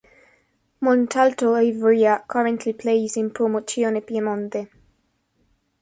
Montalto Ivrea, currently plays in Promozione Piemonte.